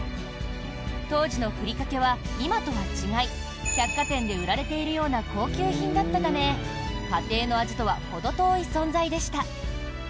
当時のふりかけは今とは違い百貨店で売られているような高級品だったため家庭の味とはほど遠い存在でした。